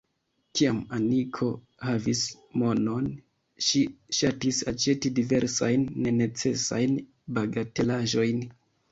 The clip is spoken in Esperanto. Kiam Aniko havis monon ŝi ŝatis aĉeti diversajn nenecesajn bagatelaĵojn.